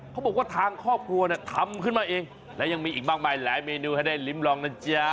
เขาบอกว่าทางครอบครัวเนี่ยทำขึ้นมาเองและยังมีอีกมากมายหลายเมนูให้ได้ลิ้มลองนะจ๊ะ